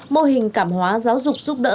mô hình cảm hóa giáo dục giúp đỡ